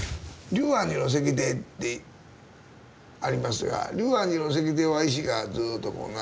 龍安寺の石庭ってありますが龍安寺の石庭は石がずっとこう並んでいる。